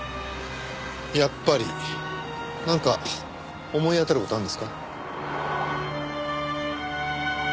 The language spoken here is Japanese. なんか思い当たる事あるんですか？